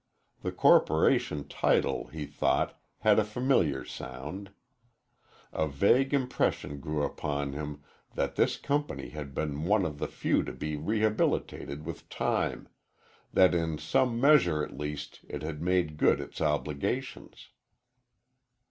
The corporation title, he thought, had a familiar sound. A vague impression grew upon him that this company had been one of the few to be rehabilitated with time; that in some measure at least it had made good its obligations.